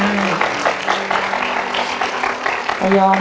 สวัสดีครับพี่อ้อม